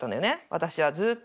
私はずっと。